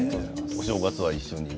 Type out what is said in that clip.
お正月は一緒に。